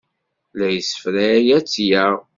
La yessefray ad tt-yaɣ.